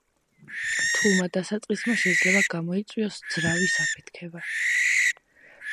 A hard start can even cause an engine to explode.